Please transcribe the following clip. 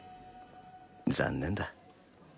残念だ。